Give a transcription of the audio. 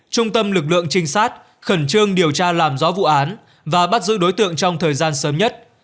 trung tâm lực lượng trinh sát khẩn trương điều tra làm rõ vụ án và bắt giữ đối tượng trong thời gian sớm nhất